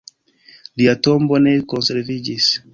Lia tombo ne konserviĝis.